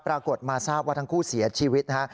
ปรากฏมาทราบว่าทั้งคู่เสียชีวิตนะฮะ